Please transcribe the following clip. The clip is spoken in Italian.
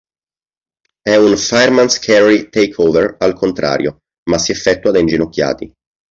È un fireman's carry takeover al contrario, ma si effettua da inginocchiati.